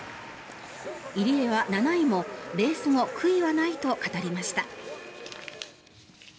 入江は７位もレース後、悔いはないと語りました。